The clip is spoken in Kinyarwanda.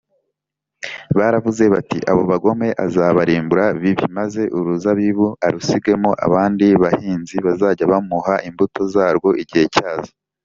baravuze bati, ‘abo bagome azabarimbura bibi, maze uruzabibu arusigemo abandi bahinzi bazajya bamuha imbuto zarwo igihe cya zo